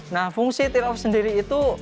nah fungsi tear off sendiri itu